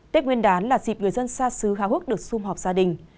tết nguyên đán là dịp người dân xa xứ háo hức được xung họp gia đình